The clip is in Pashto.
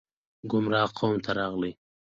ګمراه قوم ته راغلي